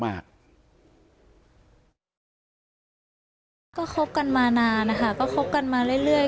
มากก็คบกันมานานนะคะก็คบกันมาเรื่อย